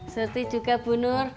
surti juga bu nur